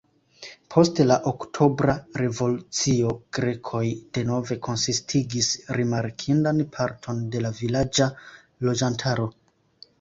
Post la Oktobra revolucio grekoj denove konsistigis rimarkindan parton de la vilaĝa loĝantaro.